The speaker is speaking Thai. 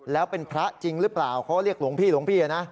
แล้วเป็นพระจริงหรือเปล่าเขาเรียกหลวงพี่หลวงพี่นะ